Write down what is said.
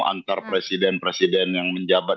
antar presiden presiden yang menjabat